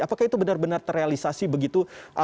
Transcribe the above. apakah itu benar benar terrealisasi begitu